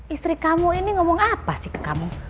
istri kamu ini ngomong apa sih ke kamu